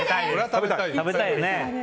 食べたいよね。